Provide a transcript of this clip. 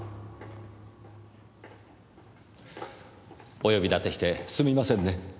お呼びだてしてすみませんね。